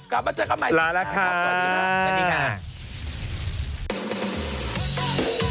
กลับมาเจอกันใหม่ลาละค้า